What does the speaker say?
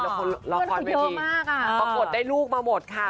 เรื่องราคาเวทีเพราะกดได้ลูกมาหมดค่ะ